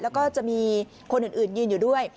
แล้วก็จะมีคนอื่นยืนอยู่ด้วย